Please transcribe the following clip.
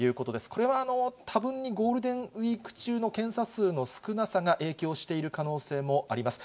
これは多分にゴールデンウィーク中の検査数の少なさが影響している可能性もあります。